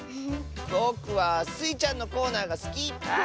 ぼくはスイちゃんのコーナーがすき！